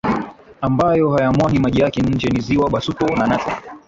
ambayo hayamwagi maji yake nje ni ziwa Basuto na Natron